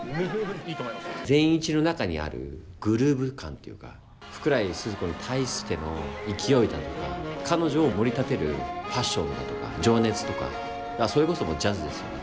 善一の中にあるグルーヴ感というか福来スズ子に対しての勢いだとか彼女をもり立てるパッションだとか情熱とかそれこそジャズですよね